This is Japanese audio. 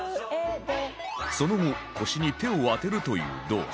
その後腰に手を当てるという動作